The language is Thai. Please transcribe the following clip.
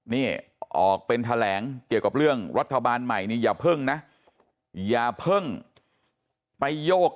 นี่ออกเป็นแถลงเกี่ยวกับเรื่องรัฐบาลใหม่นี่อย่าเพิ่งนะอย่าเพิ่งไปโยก